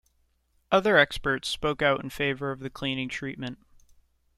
Other experts spoke out in favour of the cleaning treatment.